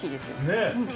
ねえ。